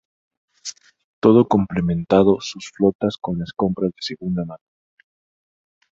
Todo complementado sus flotas con las compras de segunda mano.